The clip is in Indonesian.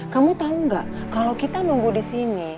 kamu tau gak kalau kita nunggu disini